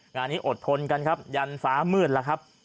งานนี้อดทนกันครับยันฟ้ามืดแล้วครับ